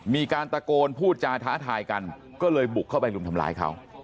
มีการตะโกนพูดจาท้าทายกันก็เลยบุกเข้าไปรุมทำร้ายเขา